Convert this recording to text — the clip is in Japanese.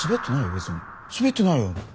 別にすべってないよ